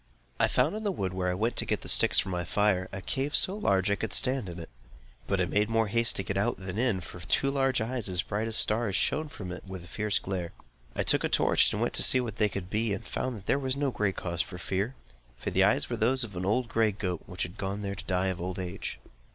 I found in the wood where I went to get the sticks for my fire, a cave so large that I could stand in it; but I made more haste to get out, than in; for two large eyes, as bright as stars, shone out from it with a fierce glare. I took a torch, and went to see what they could be, and found that there was no cause for fear; for the eyes were those of an old gray goat, which had gone there to die of old age.